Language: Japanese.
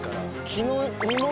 「昨日」。